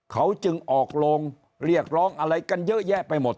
เขาจึงออกโรงเรียกร้องอะไรกันเยอะแยะไปหมด